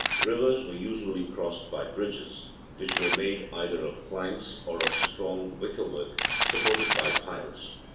Rivers were usually crossed by bridges, which were made either of planks or of strong wickerwork supported by piles.